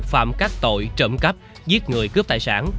phạm các tội trộm cắp giết người cướp tài sản